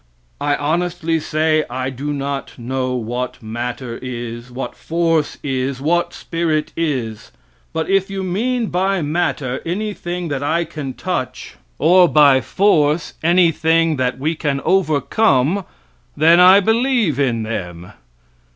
I honestly say I do not know what matter is, what force is, what spirit is; but if you mean by matter anything that I can touch, or by force anything that we can overcome then I believe in them.